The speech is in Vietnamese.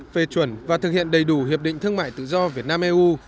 phê chuẩn và thực hiện đầy đủ hiệp định thương mại tự do việt nam eu